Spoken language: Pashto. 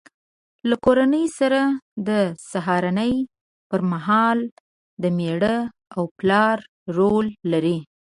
له کورنۍ سره د سهارنۍ پر مهال د مېړه او پلار رول لري.